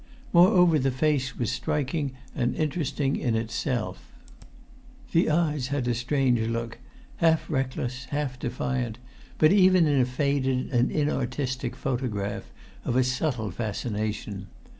Moreover, the face was striking and interesting in itself. The eyes had a strange look, half reckless, half defiant, but, even in a faded and inartistic photograph, of a subtle fascination.